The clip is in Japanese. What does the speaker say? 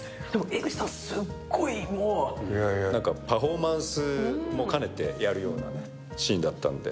江口さんはすっごいパフォーマンスも兼ねてやるようなシーンだったので。